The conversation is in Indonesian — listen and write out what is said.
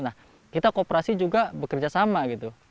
nah kita kooperasi juga bekerja sama gitu